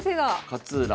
勝浦